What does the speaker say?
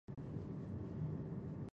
اسدالله ارماني عکسونه راولېږل.